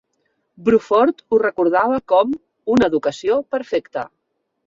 Bruford ho recordava com "una educació perfecta".